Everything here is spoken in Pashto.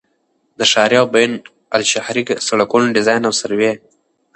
د ښاري او بینالشهري سړکونو ډيزاين او سروې